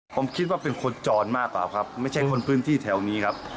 ผมคิดว่าเป็นคนจรมากกว่าครับไม่ใช่คนพื้นที่แถวนี้ครับ